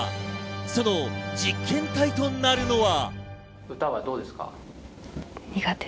その実験体となるのは。